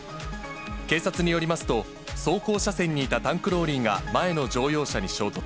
警察によりますと、走行車線にいたタンクローリーが前の乗用車に衝突。